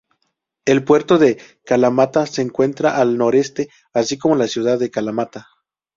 El puerto de Kalamata se encuentra al noreste, así como la ciudad de Kalamata.